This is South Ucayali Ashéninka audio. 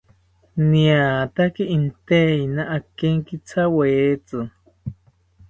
Niataki inteina akenkithawetzi